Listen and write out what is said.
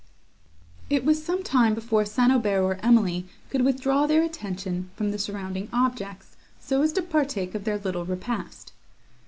It was some time before St. Aubert or Emily could withdraw their attention from the surrounding objects, so as to partake of their little repast.